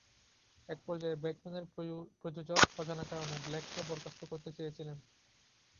এক পর্যায়ে, "ব্যাটম্যান" এর প্রযোজক অজানা কারণে ব্লেককে বরখাস্ত করতে চেয়েছিলেন।